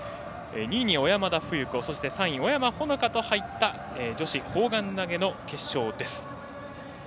２位に、小山田芙由子３位、尾山和華と入った女子砲丸投げの決勝です。